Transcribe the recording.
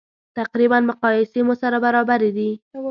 تقریبا مقایسې مو سره برابرې دي.